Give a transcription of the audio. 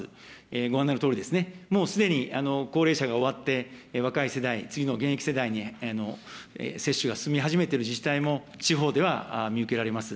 ご案内のとおりですね、もうすでに高齢者が終わって、若い世代、次の現役世代へ接種が進み始めている自治体も地方では見受けられます。